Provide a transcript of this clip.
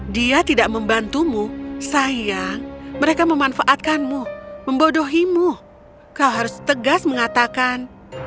dia tidak membantumu sayang mereka memanfaatkanmu membodohimu kau harus tegas mengatakan